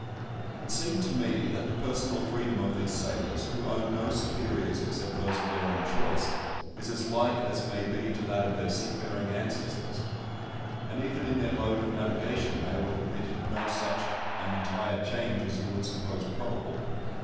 It seemed to me that the personal freedom of these sailors, who own no superiors except those of their own choice, is as like as may be to that of their seafaring ancestors. And even in their mode of navigation they have admitted no such an entire change as you would suppose probable.